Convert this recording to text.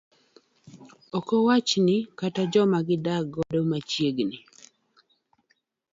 ok awachni kata mana joma gidak godo machiegni